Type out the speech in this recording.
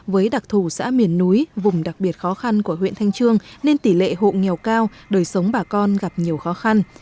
với đặc thù xã miền núi vùng đặc biệt khó khăn của huyện thanh trương nên tỷ lệ hộ nghèo cao đời sống bà con gặp nhiều khó khăn